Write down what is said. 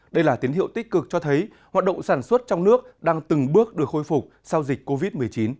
đây là tiến hiệu tích cực cho thấy hoạt động sản xuất trong nước đang từng bước được khôi phục sau dịch covid một mươi chín